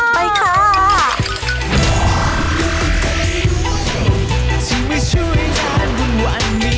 ไปค่ะ